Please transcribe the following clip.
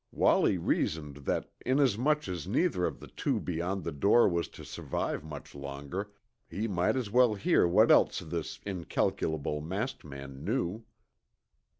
Wallie reasoned that inasmuch as neither of the two beyond the door was to survive much longer, he might as well hear what else this incalculable masked man knew.